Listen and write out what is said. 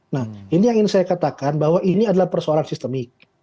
nah ini yang ingin saya katakan bahwa ini adalah persoalan sistemik